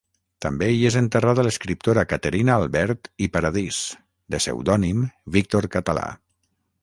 També hi és enterrada l'escriptora Caterina Albert i Paradís, de pseudònim Víctor Català.